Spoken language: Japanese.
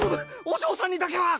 お嬢さんにだけは！